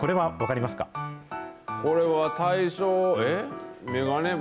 これは、大正、え？